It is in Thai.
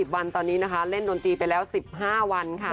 วันตอนนี้นะคะเล่นดนตรีไปแล้ว๑๕วันค่ะ